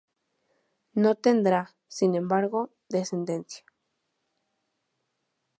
No tendrá, sin embargo, descendencia.